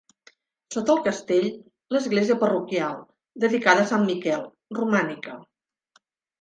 Sota el castell, l'església parroquial, dedicada a Sant Miquel, romànica.